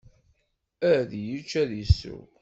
Ad yečč, ad isew.